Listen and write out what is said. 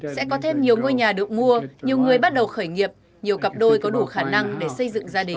sẽ có thêm nhiều ngôi nhà được mua nhiều người bắt đầu khởi nghiệp nhiều cặp đôi có đủ khả năng để xây dựng gia đình